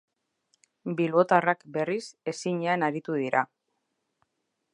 Bilbotarrak, berriz, ezinean aritu dira.